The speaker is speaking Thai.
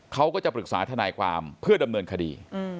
เขาก็จะปรึกษาทนายความเพื่อดำเนินคดี